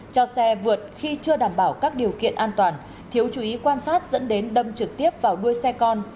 cho xe vượt khi chưa đảm bảo các điều kiện an toàn thiếu chú ý quan sát dẫn đến đâm trực tiếp vào đuôi xe con